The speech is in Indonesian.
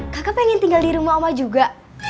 kakak pengen tinggal di rumah oma juga